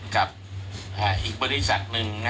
กับอีกบริษัทหนึ่ง